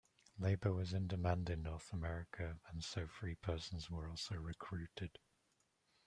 Labor was in demand in North America and so free persons were also recruited.